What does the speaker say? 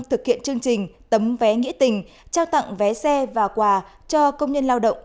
thực hiện chương trình tấm vé nghĩa tình trao tặng vé xe và quà cho công nhân lao động